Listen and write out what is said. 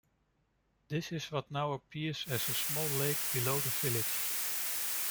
This is what now appears as a small lake below the village.